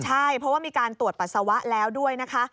ใช่เพราะว่ามีการตรวจปัสสาวะแล้วด้วยนะคะ